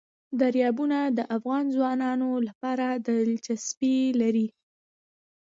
دریابونه د افغان ځوانانو لپاره دلچسپي لري.